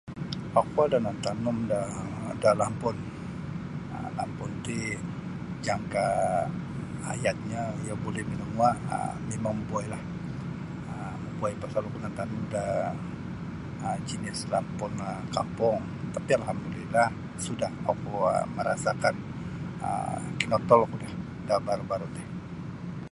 Oku ada nantanum da da lampun um lampun ti jangka hayatnyo iyo buli minangua um mimang mabuwailah mabuwai pasal oku nantanum da jinis lampun kampung tapi alhamdulillah sudah oku merasakan kinotolku nio da baru-baru ti.